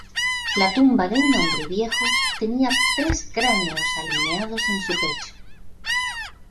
La tumba de un hombre viejo tenía tres cráneos alineados en su pecho.